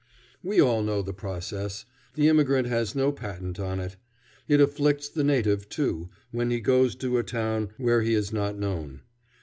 We all know the process. The immigrant has no patent on it. It afflicts the native, too, when he goes to a town where he is not known.